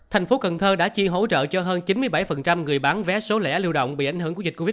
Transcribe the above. tp cần thơ đã chi hỗ trợ cho hơn chín mươi bảy người bán vé số lẻ lưu động bị ảnh hưởng của dịch covid một mươi chín